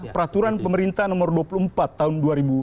peraturan pemerintah nomor dua puluh empat tahun dua ribu dua puluh